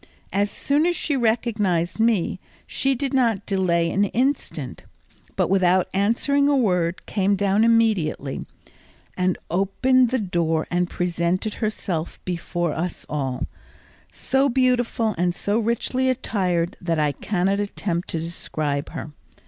As soon as she recognised me she did not delay an instant, but without answering a word came down immediately, opened the door and presented herself before us all, so beautiful and so richly attired that I cannot attempt to describe her.